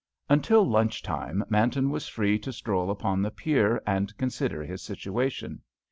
Until lunch time Manton was free to stroll upon the pier and consider his situation.